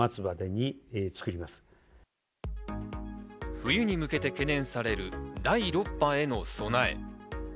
冬に向けて懸念される第６波への備え。